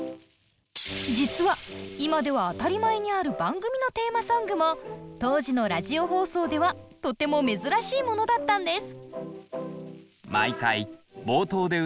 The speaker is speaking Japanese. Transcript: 実は今では当たり前にある番組のテーマソングも当時のラジオ放送ではとても珍しいものだったんです。